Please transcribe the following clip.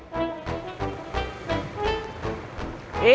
hai kalau dia